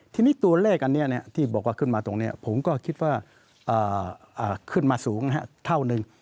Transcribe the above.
ทีนี้ตัวเลขอันนี้ที่บอกว่าขึ้นมาตรงนี้ผมก็คิดว่าขึ้นมาสูงเท่านึง